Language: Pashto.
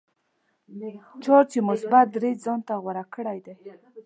چارج یې مثبت درې ځانته غوره کړی دی.